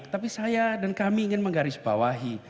tapi saya dan kami ingin menggarisbawahi